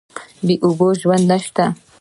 بې اوبو ژوند نشته.